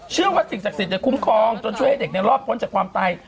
เชื่อว่าสิ่งศักดิ์สิทธิ์จะคุ้มครองจนช่วยให้เด็กเนี่ยรอบป้นจากความตาย